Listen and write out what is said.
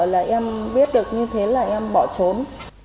là em biết được như thế là em bỏ trốn